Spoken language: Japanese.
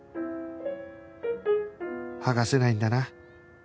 剥がせないんだな